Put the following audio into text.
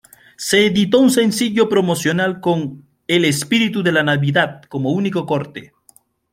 Se editó un sencillo promocional con "El espíritu de la Navidad" como único corte.